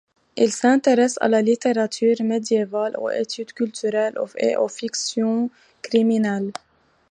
Il s'intéresse à la littérature médiévale, aux études culturelles et aux fictions criminelles.